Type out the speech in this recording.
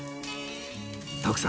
徳さん